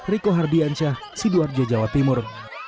riko hardiansyah sidoarjo jawa timur